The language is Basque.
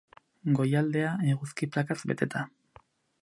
Goialdea, eguzki plakaz beteta.